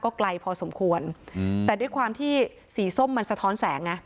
ไกลพอสมควรแต่ด้วยความที่สีส้มมันสะท้อนแสงไง